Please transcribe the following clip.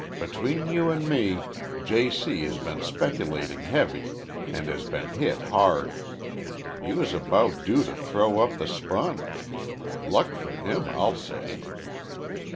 Between you and me, J. C. has been speculating heavy and has been hit hard. He was about due to throw up the sponge. Luck for him, I'll say."